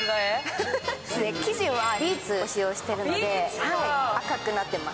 生地はビーツを使用しているので赤くなっています。